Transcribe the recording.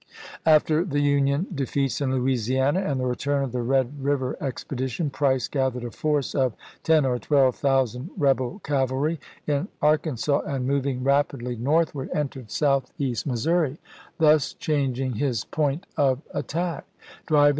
After the Union defeats in Louisiana and the return of the Red River expedition. Price gathered a force of ten or twelve thousand rebel cavalry in Arkansas and moving rapidly northward entered Southeast Record.' Vol. XI., p. 342. MISSOURI FEEE 479 Missouri, thus changing his point of attack ; driving chap.